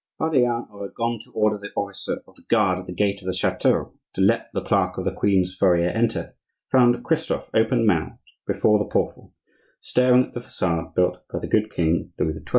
Pardaillan, who had gone to order the officer of the guard at the gate of the chateau to let the clerk of the queen's furrier enter, found Christophe open mouthed before the portal, staring at the facade built by the good king Louis XII.